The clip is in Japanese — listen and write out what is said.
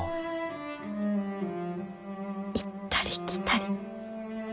行ったり来たり。